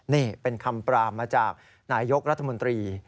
นี่เป็นคำปรามมาจากนายกรัฐมนตรี